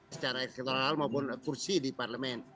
secara eksternal maupun kursi di parlemen